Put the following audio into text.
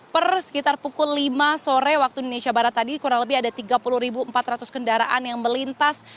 per sekitar pukul lima sore waktu indonesia barat tadi kurang lebih ada tiga puluh empat ratus kendaraan yang melintas